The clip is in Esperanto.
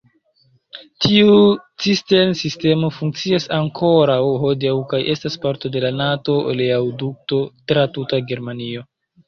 Tiu cistern-sistemo funkcias ankoraŭ hodiaŭ kaj estas parto de la Nato-oleodukto tra tuta Germanio.